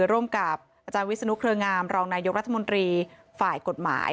ร่วมกับอาจารย์วิศนุเครืองามรองนายกรัฐมนตรีฝ่ายกฎหมาย